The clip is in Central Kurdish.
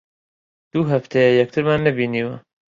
دوو هەفتەیە یەکترمان نەبینیوە.